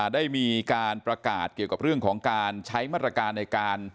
ได้มีการประกาศเกี่ยวกับเรื่องของการใช้มาตรการในการ